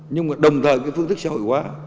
nhưng mà đồng thời cái phương thức xã hội hóa